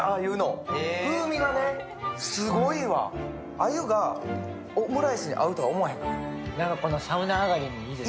鮎がオムライスと合うとは思わへんかった。